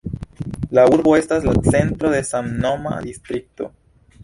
La urbo estas la centro de samnoma distrikto.